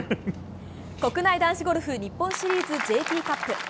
国内男子ゴルフ日本シリーズＪＴカップ。